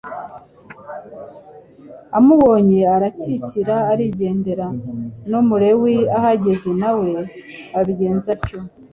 amubonye arakikira arigendera; n'umulewi ahageze nawe abigenza atyo,